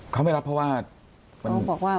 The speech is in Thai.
เขาไม่รับเพราะว่า